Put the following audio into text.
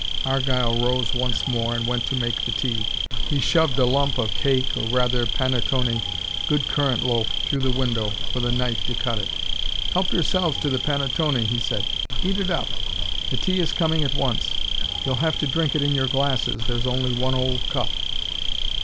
Argyle rose once more, and went to make the tea. He shoved a lump of cake or rather panetone, good currant loaf through the window, with a knife to cut it. "Help yourselves to the panetone," he said. "Eat it up. The tea is coming at once. You'll have to drink it in your glasses, there's only one old cup."